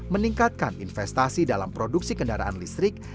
meningkatkan investasi dalam produksi kendaraan listrik